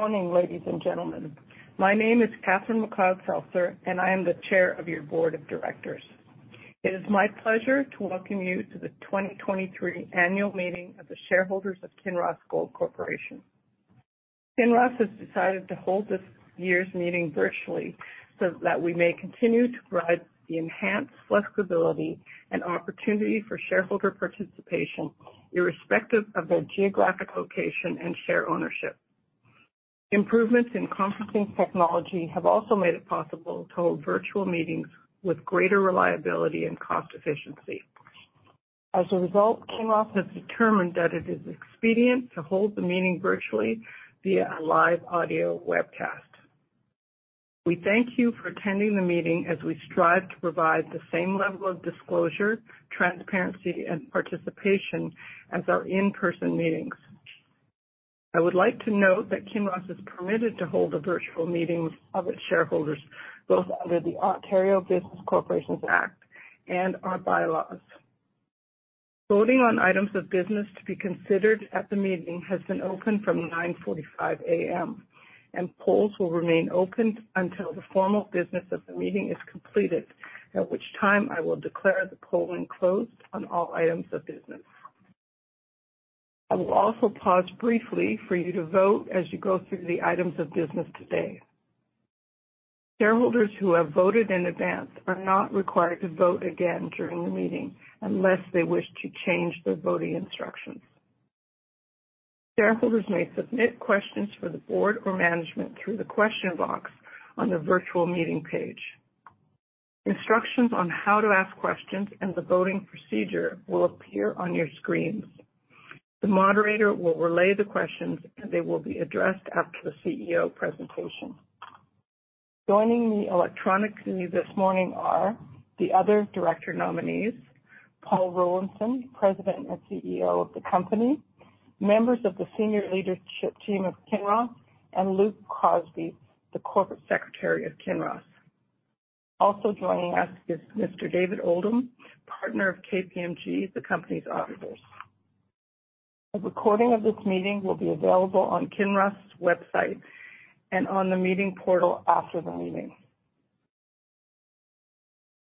Good morning, ladies and gentlemen. My name is Catherine McLeod-Seltzer, I am the chair of your board of directors. It is my pleasure to welcome you to the 2023 annual meeting of the shareholders of Kinross Gold Corporation. Kinross has decided to hold this year's meeting virtually so that we may continue to provide the enhanced flexibility and opportunity for shareholder participation, irrespective of their geographic location and share ownership. Improvements in conferencing technology have also made it possible to hold virtual meetings with greater reliability and cost efficiency. As a result, Kinross has determined that it is expedient to hold the meeting virtually via a live audio webcast. We thank you for attending the meeting as we strive to provide the same level of disclosure, transparency, and participation as our in-person meetings. I would like to note that Kinross is permitted to hold a virtual meeting of its shareholders, both under the Ontario Business Corporations Act and our bylaws. Voting on items of business to be considered at the meeting has been open from 9:45 A.M., and polls will remain open until the formal business of the meeting is completed, at which time I will declare the polling closed on all items of business. I will also pause briefly for you to vote as you go through the items of business today. Shareholders who have voted in advance are not required to vote again during the meeting unless they wish to change their voting instructions. Shareholders may submit questions for the board or management through the question box on the virtual meeting page. Instructions on how to ask questions and the voting procedure will appear on your screens. The moderator will relay the questions, and they will be addressed after the CEO presentation. Joining me electronically this morning are the other director nominees, Paul Rollinson, President and CEO of the company, members of the senior leadership team of Kinross, and Luke Crosby, the Corporate Secretary of Kinross. Also joining us is Mr. David Oldham, partner of KPMG, the company's auditors. A recording of this meeting will be available on Kinross' website and on the meeting portal after the meeting.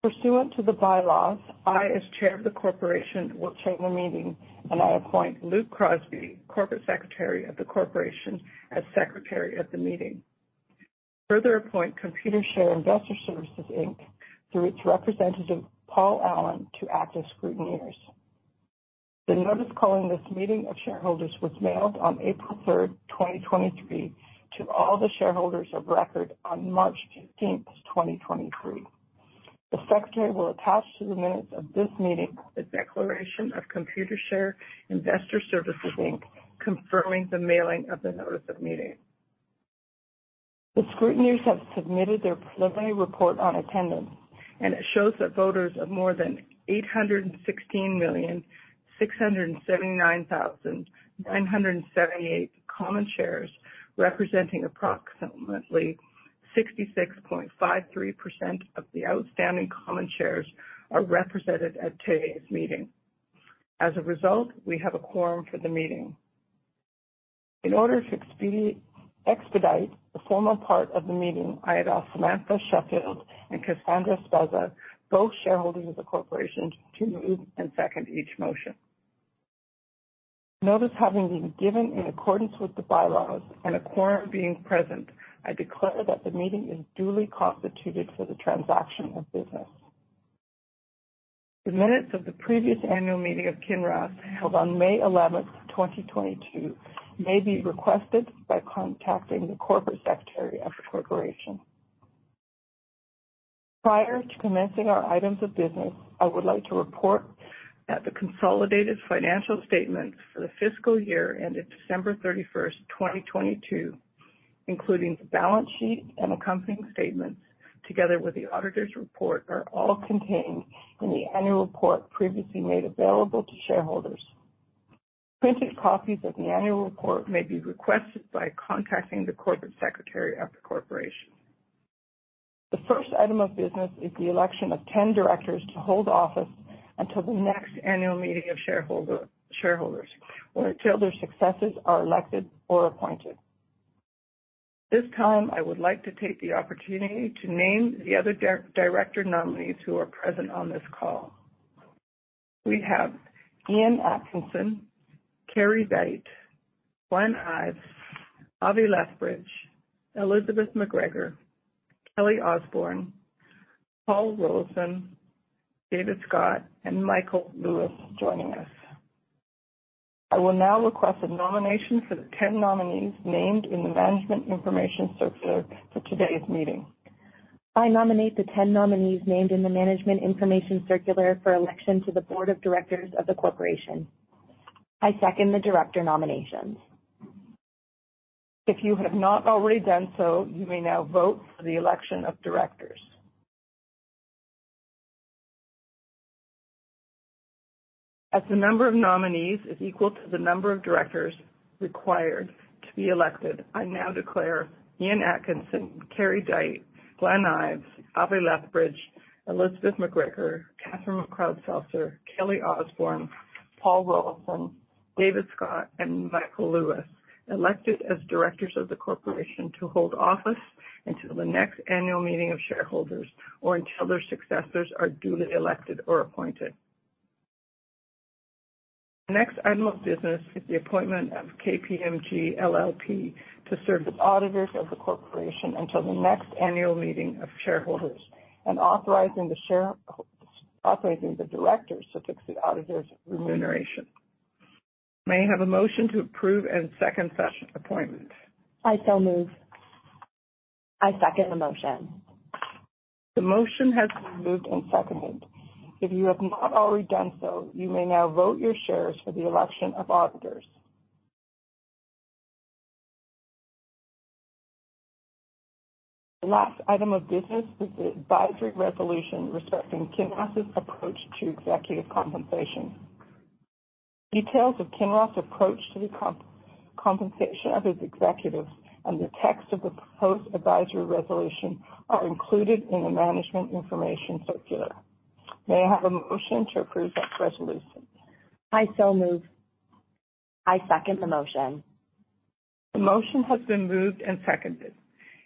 Pursuant to the bylaws, I, as chair of the corporation, will chair the meeting, and I'll appoint Luke Crosby, Corporate Secretary of the corporation, as secretary of the meeting. Further appoint Computershare Investor Services Inc. through its representative, Paul Allen, to act as scrutineers. The notice calling this meeting of shareholders was mailed on April 3rd, 2023 to all the shareholders of record on March 15th, 2023. The secretary will attach to the minutes of this meeting the Declaration of Computershare Investor Services, Inc. confirming the mailing of the notice of meeting. The scrutineers have submitted their preliminary report on attendance. It shows that voters of more than 816,679,978 common shares, representing approximately 66.53% of the outstanding common shares, are represented at today's meeting. As a result, we have a quorum for the meeting. In order to expedite the formal part of the meeting, I ask Samantha Sheffield and Cassandra Spezza, both shareholders of the corporation, to move and second each motion. Notice having been given in accordance with the bylaws and a quorum being present, I declare that the meeting is duly constituted for the transaction of business. The minutes of the previous annual meeting of Kinross, held on May 11th, 2022, may be requested by contacting the Corporate Secretary of the corporation. Prior to commencing our items of business, I would like to report that the consolidated financial statements for the fiscal year ended December 31st, 2022, including the balance sheet and accompanying statements, together with the auditor's report, are all contained in the annual report previously made available to shareholders. Printed copies of the annual report may be requested by contacting the corporate secretary of the corporation. The first item of business is the election of 10 directors to hold office until the next annual meeting of shareholders or until their successors are elected or appointed. At this time, I would like to take the opportunity to name the other director nominees who are present on this call. We have Ian Atkinson, Kerry Dyte, Glenn Ives, Ave Lethbridge, Elizabeth McGregor, Kelly Osborne, Paul Rollinson, David Scott, and Michael Lewis joining us. I will now request a nomination for the 10 nominees named in the Management Information Circular for today's meeting. I nominate the 10 nominees named in the Management Information Circular for election to the Board of Directors of the Corporation. I second the director nominations. If you have not already done so, you may now vote for the election of directors. As the number of nominees is equal to the number of directors required to be elected, I now declare Ian Atkinson, Kerry Dyte, Glenn Ives, Ave Lethbridge, Elizabeth McGregor, Catherine McLeod-Seltzer, Kelly Osborne, Paul Rollinson, David Scott, and Michael Lewis, elected as directors of the corporation to hold office until the next annual meeting of shareholders or until their successors are duly elected or appointed. The next item of business is the appointment of KPMG LLP to serve as auditors of the corporation until the next annual meeting of shareholders and authorizing the directors to fix the auditors' remuneration. May I have a motion to approve and second the appointment. I so move. I second the motion. The motion has been moved and seconded. If you have not already done so, you may now vote your shares for the election of auditors. The last item of business is the advisory resolution respecting Kinross' approach to executive compensation. Details of Kinross’ approach to the compensation of its executives and the text of the proposed advisory resolution are included in the Management Information Circular. May I have a motion to approve that resolution? I so move. I second the motion. The motion has been moved and seconded.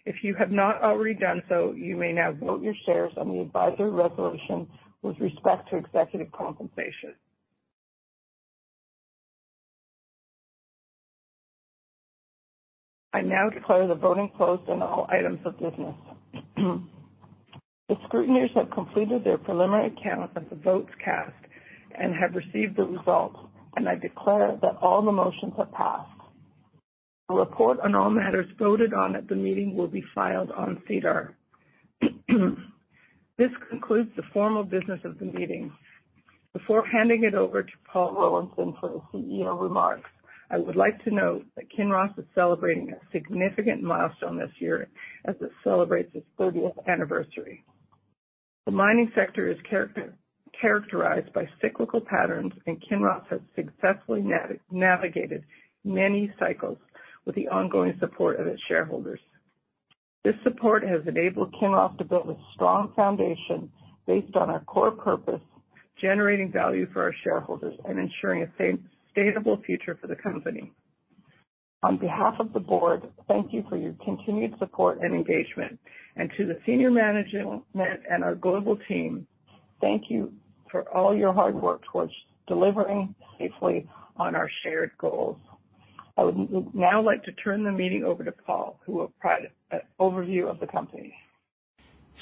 If you have not already done so, you may now vote your shares on the advisory resolution with respect to executive compensation. I now declare the voting closed on all items of business. The scrutineers have completed their preliminary count of the votes cast and have received the results. I declare that all the motions have passed. A report on all matters voted on at the meeting will be filed on SEDAR+. This concludes the formal business of the meeting. Before handing it over to Paul Rollinson for his CEO remarks, I would like to note that Kinross is celebrating a significant milestone this year as it celebrates its 30th anniversary. The mining sector is characterized by cyclical patterns, and Kinross has successfully navigated many cycles with the ongoing support of its shareholders. This support has enabled Kinross to build a strong foundation based on our core purpose, generating value for our shareholders and ensuring a sustainable future for the company. On behalf of the board, thank you for your continued support and engagement. To the senior management and our global team, thank you for all your hard work towards delivering safely on our shared goals. I would now like to turn the meeting over to Paul, who will provide an overview of the company.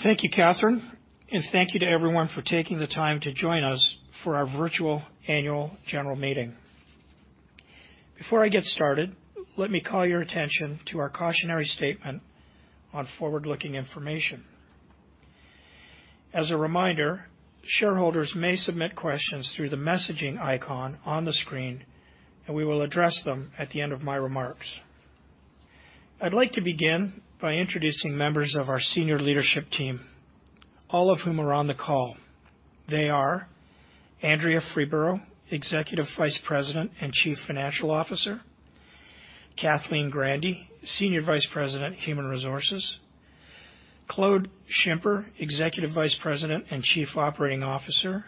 Thank you, Catherine, and thank you to everyone for taking the time to join us for our virtual annual general meeting. Before I get started, let me call your attention to our cautionary statement on forward-looking information. As a reminder, shareholders may submit questions through the messaging icon on the screen, and we will address them at the end of my remarks. I'd like to begin by introducing members of our senior leadership team, all of whom are on the call. They are Andrea Freeborough, Executive Vice-President and Chief Financial Officer, Kathleen Grandy, Senior Vice-President, Human Resources, Claude Schimper, Executive Vice-President and Chief Operating Officer,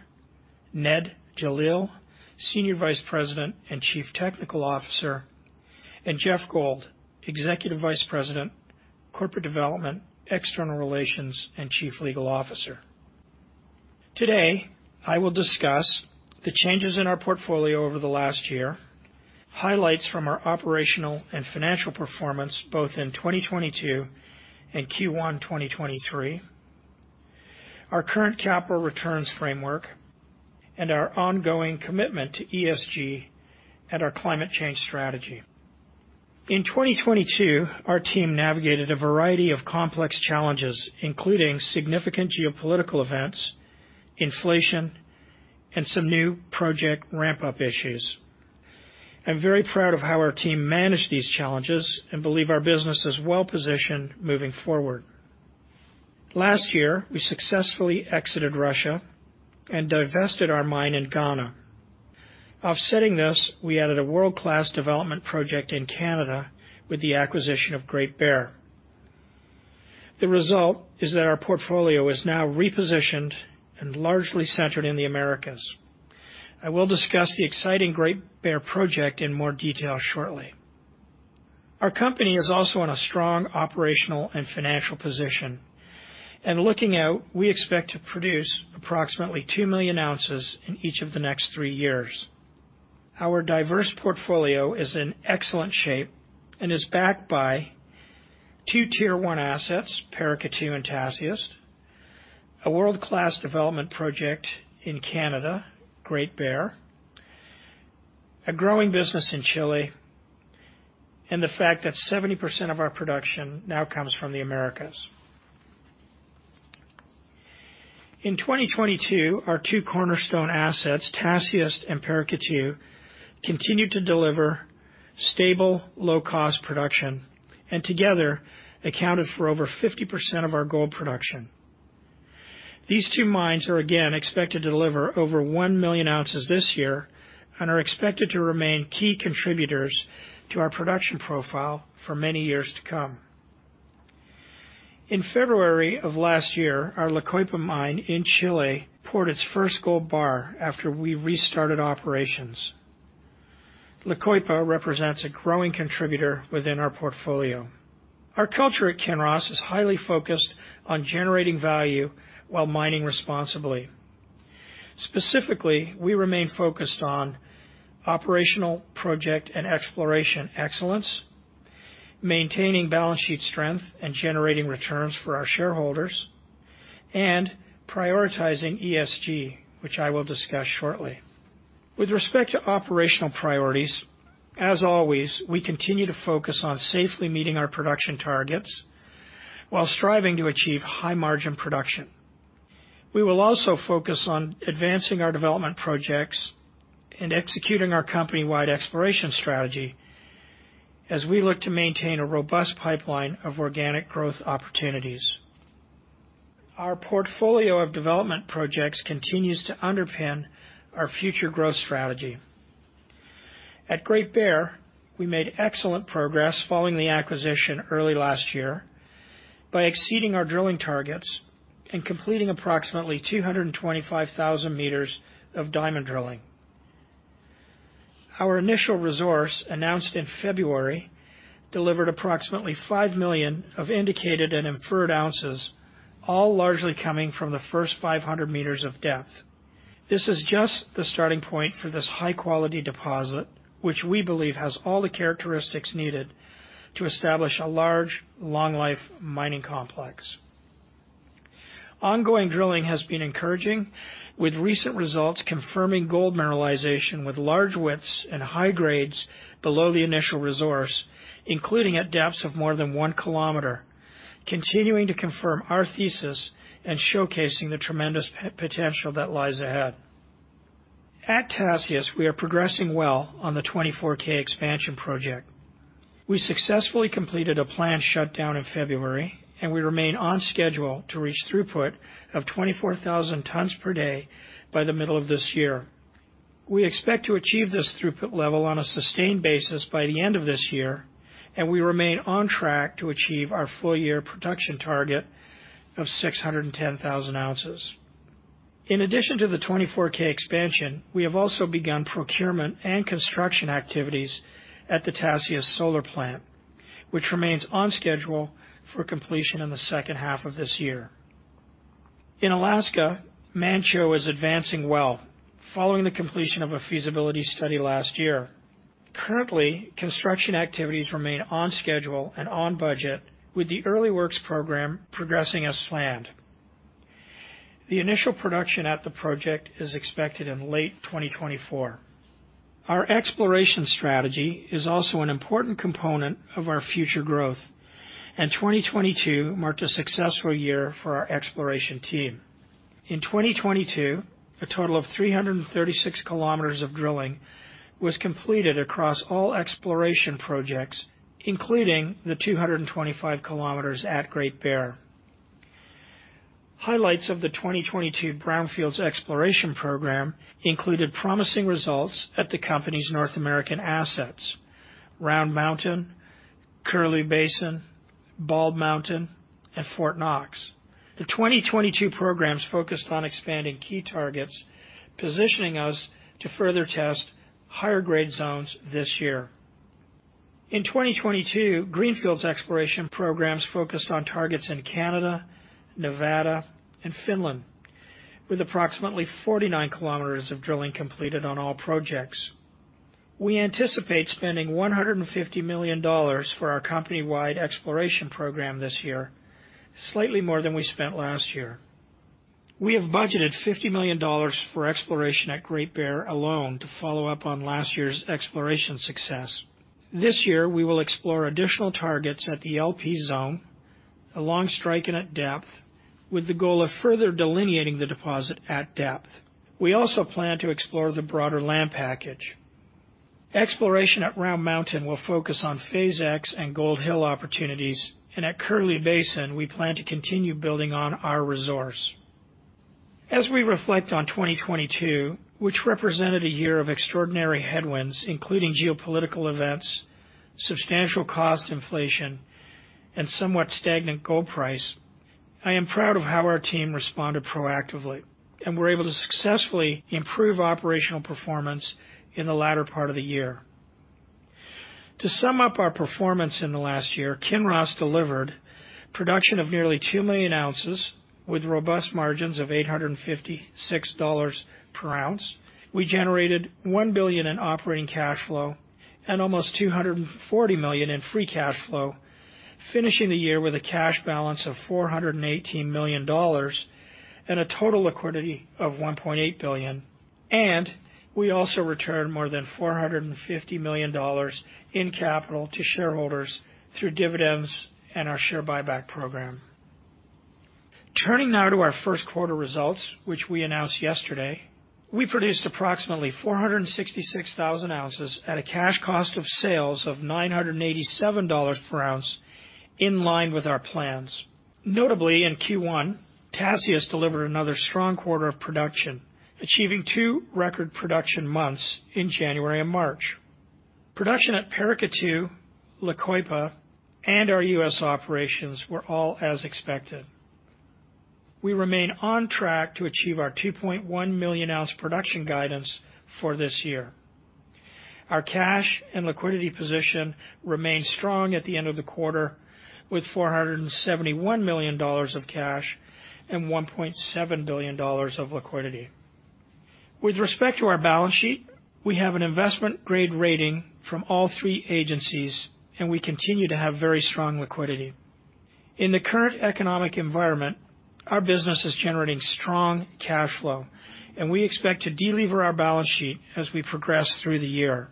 Ned Jalil, Senior Vice-President and Chief Technical Officer, and Jeff Gold, Executive Vice-President, Corporate Development, External Relations, and Chief Legal Officer. Today, I will discuss the changes in our portfolio over the last year, highlights from our operational and financial performance, both in 2022 and Q1 2023, our current capital returns framework, and our ongoing commitment to ESG and our climate change strategy. In 2022, our team navigated a variety of complex challenges, including significant geopolitical events, inflation, and some new project ramp-up issues. I'm very proud of how our team managed these challenges and believe our business is well-positioned moving forward. Last year, we successfully exited Russia and divested our mine in Ghana. Offsetting this, we added a world-class development project in Canada with the acquisition of Great Bear. The result is that our portfolio is now repositioned and largely centered in the Americas. I will discuss the exciting Great Bear project in more detail shortly. Our company is also in a strong operational and financial position. Looking out, we expect to produce approximately 2 million ounces in each of the next 3 years. Our diverse portfolio is in excellent shape and is backed by two tier one assets, Paracatu and Tasiast, a world-class development project in Canada, Great Bear, a growing business in Chile, and the fact that 70% of our production now comes from the Americas. In 2022, our two cornerstone assets, Tasiast and Paracatu, continued to deliver stable, low-cost production, and together accounted for over 50% of our gold production. These two mines are again expected to deliver over 1 million ounces this year and are expected to remain key contributors to our production profile for many years to come. In February of last year, our La Coipa Mine in Chile poured its first gold bar after we restarted operations. La Coipa represents a growing contributor within our portfolio. Our culture at Kinross is highly focused on generating value while mining responsibly. Specifically, we remain focused on operational project and exploration excellence, maintaining balance sheet strength, and generating returns for our shareholders, and prioritizing ESG, which I will discuss shortly. With respect to operational priorities, as always, we continue to focus on safely meeting our production targets while striving to achieve high margin production. We will also focus on advancing our development projects and executing our company-wide exploration strategy as we look to maintain a robust pipeline of organic growth opportunities. Our portfolio of development projects continues to underpin our future growth strategy. At Great Bear, we made excellent progress following the acquisition early last year by exceeding our drilling targets and completing approximately 225,000 meters of diamond drilling. Our initial resource, announced in February, delivered approximately five million indicated and inferred ounces, all largely coming from the first 500 meters of depth. This is just the starting point for this high-quality deposit, which we believe has all the characteristics needed to establish a large, long life mining complex. Ongoing drilling has been encouraging, with recent results confirming gold mineralization with large widths and high grades below the initial resource, including at depths of more than 1 kilometer, continuing to confirm our thesis and showcasing the tremendous potential that lies ahead. At Tasiast, we are progressing well on the 24k expansion project. We successfully completed a planned shutdown in February, we remain on schedule to reach throughput of 24,000 tons per day by the middle of this year. We expect to achieve this throughput level on a sustained basis by the end of this year. We remain on track to achieve our full year production target of 610,000 ounces. In addition to the 24k expansion, we have also begun procurement and construction activities at the Tasiast Solar Plant, which remains on schedule for completion in the second half of this year. In Alaska, Manh Choh is advancing well following the completion of a feasibility study last year. Currently, construction activities remain on schedule and on budget, with the early works program progressing as planned. The initial production at the project is expected in late 2024. Our exploration strategy is also an important component of our future growth. 2022 marked a successful year for our exploration team. In 2022, a total of 336 kilometers of drilling was completed across all exploration projects, including the 225 kilometers at Great Bear. Highlights of the 2022 brownfields exploration program included promising results at the company's North American assets, Round Mountain, Curlew Basin, Bald Mountain, and Fort Knox. The 2022 programs focused on expanding key targets, positioning us to further test higher grade zones this year. In 2022, greenfields exploration programs focused on targets in Canada, Nevada, and Finland, with approximately 49 kilometers of drilling completed on all projects. We anticipate spending $150 million for our company-wide exploration program this year, slightly more than we spent last year. We have budgeted $50 million for exploration at Great Bear alone to follow up on last year's exploration success. This year, we will explore additional targets at the LP zone along strike and at depth, with the goal of further delineating the deposit at depth. We also plan to explore the broader land package. Exploration at Round Mountain will focus on Phase X and Gold Hill opportunities. At Curlew Basin, we plan to continue building on our resource. As we reflect on 2022, which represented a year of extraordinary headwinds, including geopolitical events, substantial cost inflation, and somewhat stagnant gold price. I am proud of how our team responded proactively and were able to successfully improve operational performance in the latter part of the year. To sum up our performance in the last year, Kinross delivered production of nearly 2 million ounces with robust margins of $856 per ounce. We generated $1 billion in operating cash flow and almost $240 million in free cash flow, finishing the year with a cash balance of $418 million and a total liquidity of $1.8 billion. We also returned more than $450 million in capital to shareholders through dividends and our share buyback program. Turning now to our Q1 results, which we announced yesterday. We produced approximately 466,000 ounces at a cash cost of sales of $987 per ounce in line with our plans. Notably, in Q1, Tasiast delivered another strong quarter of production, achieving two record production months in January and March. Production at Paracatu, La Coipa, and our U.S. operations were all as expected. We remain on track to achieve our 2.1 million ounce production guidance for this year. Our cash and liquidity position remained strong at the end of the quarter, with $471 million of cash and $1.7 billion of liquidity. With respect to our balance sheet, we have an investment grade rating from all three agencies, and we continue to have very strong liquidity. In the current economic environment, our business is generating strong cash flow, and we expect to de-lever our balance sheet as we progress through the year.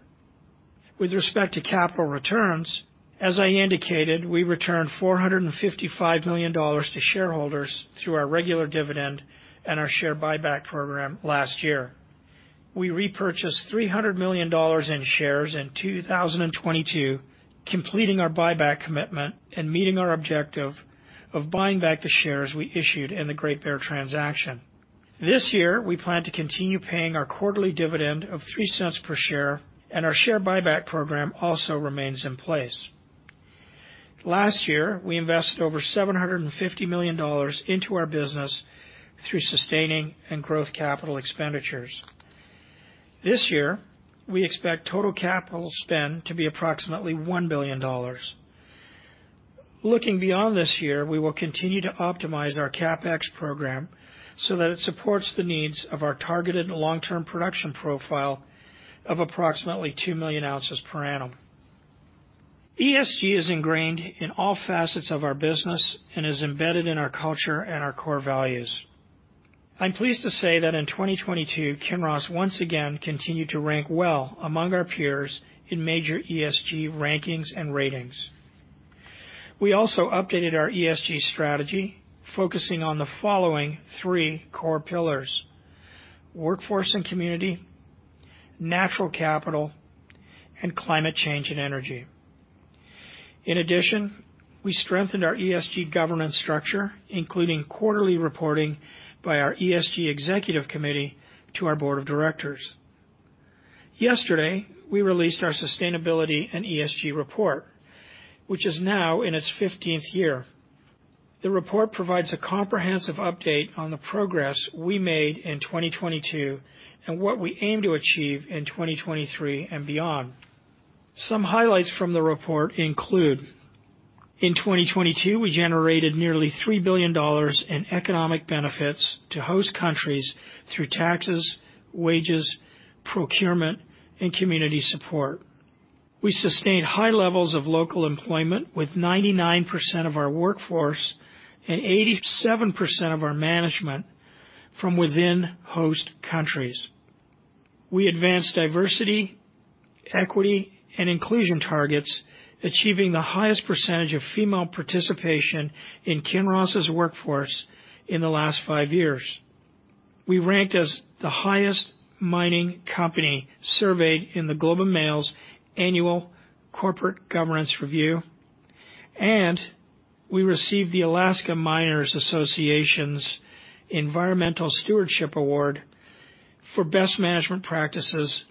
With respect to capital returns, as I indicated, we returned $455 million to shareholders through our regular dividend and our share buyback program last year. We repurchased $300 million in shares in 2022, completing our buyback commitment and meeting our objective of buying back the shares we issued in the Great Bear transaction. This year, we plan to continue paying our quarterly dividend of $0.03 per share, and our share buyback program also remains in place. Last year, we invested over $750 million into our business through sustaining and growth capital expenditures. This year, we expect total capital spend to be approximately $1 billion. Looking beyond this year, we will continue to optimize our CapEx program so that it supports the needs of our targeted long-term production profile of approximately 2 million ounces per annum. ESG is ingrained in all facets of our business and is embedded in our culture and our core values. I'm pleased to say that in 2022, Kinross once again continued to rank well among our peers in major ESG rankings and ratings. We also updated our ESG strategy, focusing on the following three core pillars: Workforce and Community, Natural Capital, and Climate Change and Energy. In addition, we strengthened our ESG governance structure, including quarterly reporting by our ESG executive committee to our board of directors. Yesterday, we released our sustainability and ESG report, which is now in its 15th year. The report provides a comprehensive update on the progress we made in 2022 and what we aim to achieve in 2023 and beyond. Some highlights from the report include: In 2022, we generated nearly $3 billion in economic benefits to host countries through taxes, wages, procurement, and community support. We sustained high levels of local employment with 99% of our workforce and 87% of our management from within host countries. We advanced diversity, equity, and inclusion targets, achieving the highest percentage of female participation in Kinross's workforce in the last five years. We ranked as the highest mining company surveyed in the Global Mines Annual Corporate Governance Review. We received the Alaska Miners Association's Environmental Stewardship Award for best management practices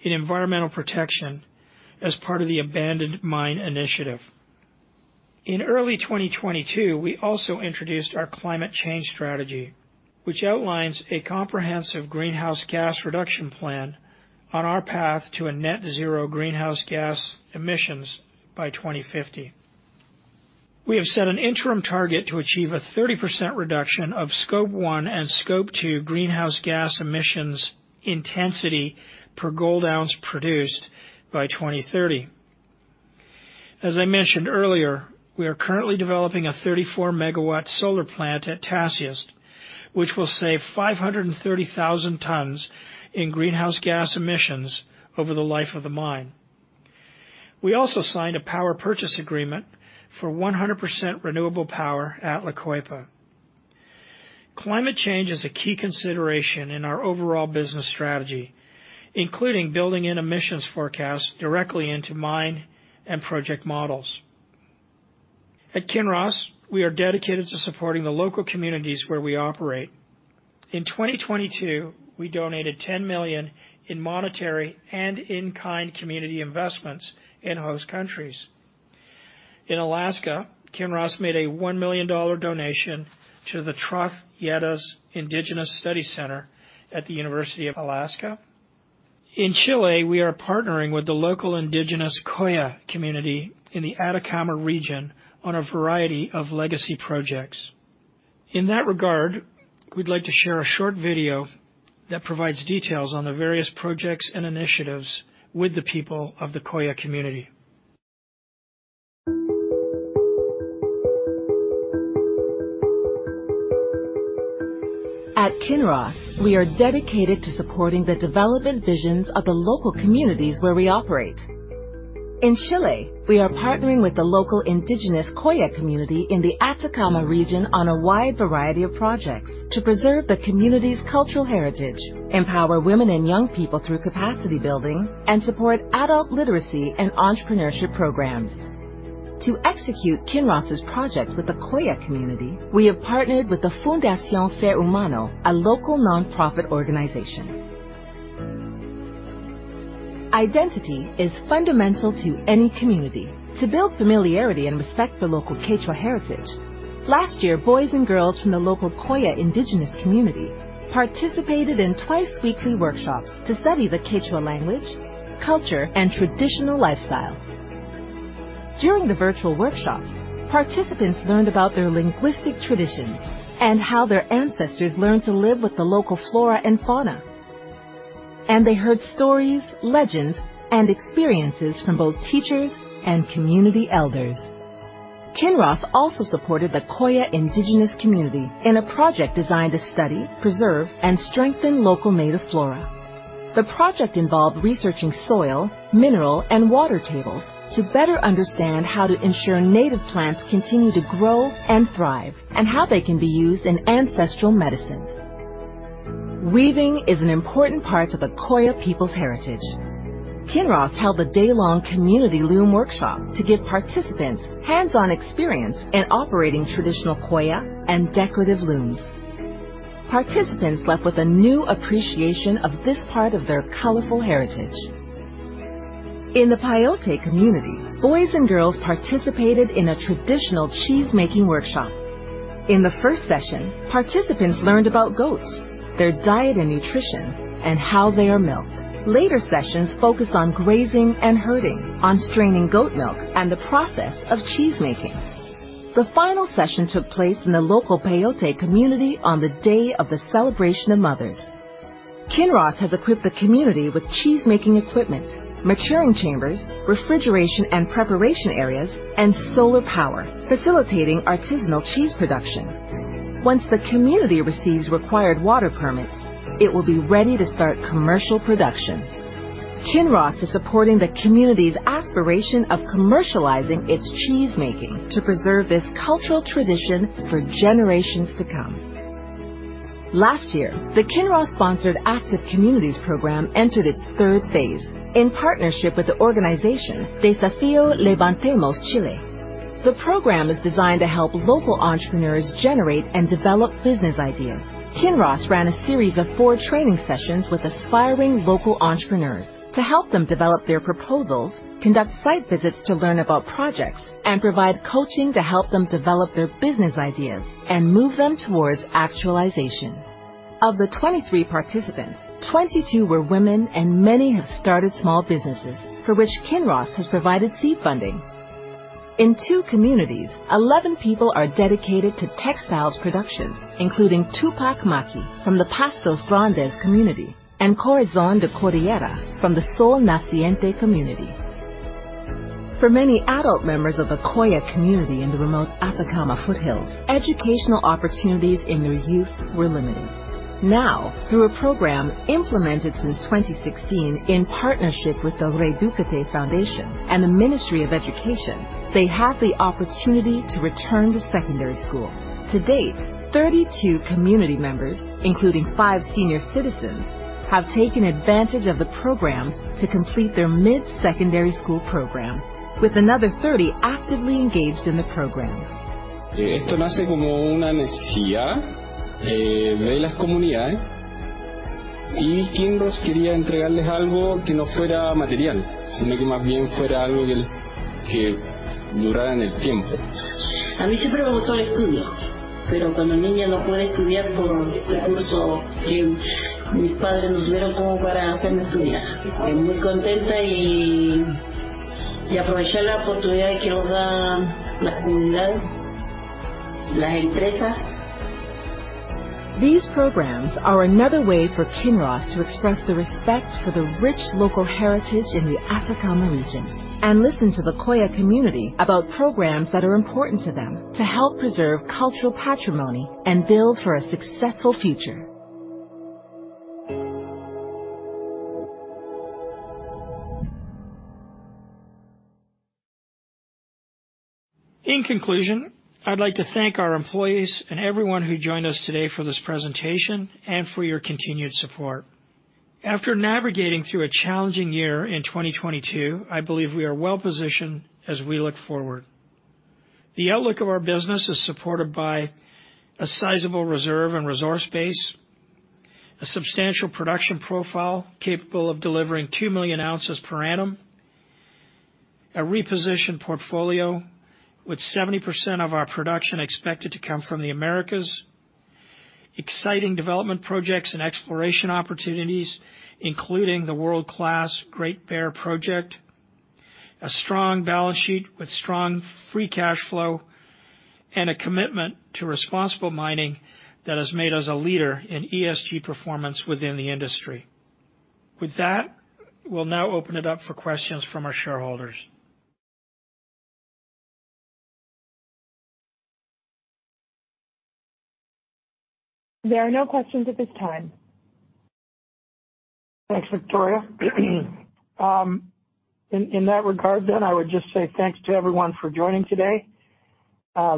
in environmental protection as part of the Abandoned Mine Initiative. In early 2022, we also introduced our climate change strategy, which outlines a comprehensive greenhouse gas reduction plan on our path to a net-zero greenhouse gas emissions by 2050. We have set an interim target to achieve a 30% reduction of Scope 1 and Scope 2 greenhouse gas emissions intensity per gold ounce produced by 2030. As I mentioned earlier, we are currently developing a 34 megawatt solar plant at Tasiast, which will save 530,000 tons in greenhouse gas emissions over the life of the mine. We also signed a power purchase agreement for 100% renewable power at La Coipa. Climate change is a key consideration in our overall business strategy, including building in emissions forecast directly into mine and project models. At Kinross, we are dedicated to supporting the local communities where we operate. In 2022, we donated $10 million in monetary and in-kind community investments in host countries. In Alaska, Kinross made a $1 million donation to the Troth Yeddhaʼ Indigenous Studies Center at the University of Alaska. In Chile, we are partnering with the local indigenous Colla community in the Atacama region on a variety of legacy projects. In that regard, we'd like to share a short video that provides details on the various projects and initiatives with the people of the Colla community. At Kinross, we are dedicated to supporting the development visions of the local communities where we operate. In Chile, we are partnering with the local indigenous Colla community in the Atacama region on a wide variety of projects to preserve the community's cultural heritage, empower women and young people through capacity building, and support adult literacy and entrepreneurship programs. To execute Kinross's project with the Colla community, we have partnered with the Fundación Ser Humano, a local nonprofit organization. Identity is fundamental to any community. To build familiarity and respect for local Quechua heritage, last year, boys and girls from the local Coya indigenous community participated in twice-weekly workshops to study the Quechua language, culture, and traditional lifestyle. During the virtual workshops, participants learned about their linguistic traditions and how their ancestors learned to live with the local flora and fauna. They heard stories, legends, and experiences from both teachers and community elders. Kinross also supported the Coya indigenous community in a project designed to study, preserve, and strengthen local native flora. The project involved researching soil, mineral, and water tables to better understand how to ensure native plants continue to grow and thrive and how they can be used in ancestral medicine. Weaving is an important part of the Colla people's heritage. Kinross held a day-long community loom workshop to give participants hands-on experience in operating traditional Colla and decorative looms. Participants left with a new appreciation of this part of their colorful heritage. In the Pai-Ote community, boys and girls participated in a traditional cheesemaking workshop. In the first session, participants learned about goats, their diet and nutrition, and how they are milked. Later sessions focused on grazing and herding, on straining goat milk, and the process of cheesemaking. The final session took place in the local Pai-Ote community on the day of the celebration of mothers. Kinross has equipped the community with cheesemaking equipment, maturing chambers, refrigeration and preparation areas, and solar power, facilitating artisanal cheese production. Once the community receives required water permits, it will be ready to start commercial production. Kinross is supporting the community's aspiration of commercializing its cheesemaking to preserve this cultural tradition for generations to come. Last year, the Kinross-sponsored Active Communities program entered its phase III in partnership with the organization Desafío Levantemos Chile. The program is designed to help local entrepreneurs generate and develop business ideas. Kinross ran a series of four training sessions with aspiring local entrepreneurs to help them develop their proposals, conduct site visits to learn about projects, and provide coaching to help them develop their business ideas and move them towards actualization. Of the 23 participants, 22 were women, and many have started small businesses for which Kinross has provided seed funding. In two communities, 11 people are dedicated to textiles productions, including Túpaj Maki from the Pastos Grandes community and Corazón de Cordillera from the Sol Naciente community. For many adult members of the Colla community in the remote Atacama foothills, educational opportunities in their youth were limited. Now, through a program implemented since 2016 in partnership with the Reducate Foundation and the Ministry of Education, they have the opportunity to return to secondary school. To date, 32 community members, including five senior citizens, have taken advantage of the program to complete their mid-secondary school program, with another 30 actively engaged in the program. These programs are another way for Kinross to express the respect for the rich local heritage in the Atacama region and listen to the Colla community about programs that are important to them to help preserve cultural patrimony and build for a successful future. In conclusion, I'd like to thank our employees and everyone who joined us today for this presentation and for your continued support. After navigating through a challenging year in 2022, I believe we are well positioned as we look forward. The outlook of our business is supported by a sizable reserve and resource base, a substantial production profile capable of delivering 2 million ounces per annum, a repositioned portfolio with 70% of our production expected to come from the Americas, exciting development projects and exploration opportunities, including the world-class Great Bear project, a strong balance sheet with strong free cash flow, and a commitment to responsible mining that has made us a leader in ESG performance within the industry. We'll now open it up for questions from our shareholders. There are no questions at this time. Thanks, Victoria. In that regard, then, I would just say thanks to everyone for joining today.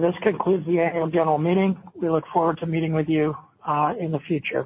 This concludes the annual general meeting. We look forward to meeting with you in the future.